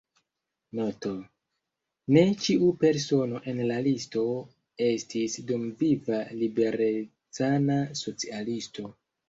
Noto: ne ĉiu persono en la listo estis dumviva liberecana socialisto.